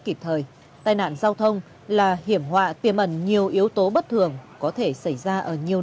kịp thời tai nạn giao thông là hiểm họa tiềm ẩn nhiều yếu tố bất thường có thể xảy ra ở nhiều